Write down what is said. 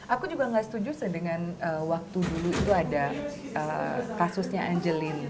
aku juga gak setuju dengan waktu dulu itu ada kasusnya angeline